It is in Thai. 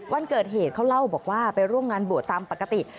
วันเกิดเหตุเขาเล่าบอกว่าไปร่วมงานบวชตามปกติ